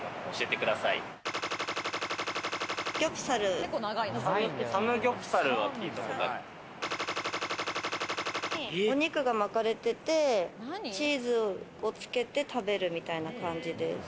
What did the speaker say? ギョプサル。にお肉が巻かれてて、チーズをつけて食べるみたいな感じです。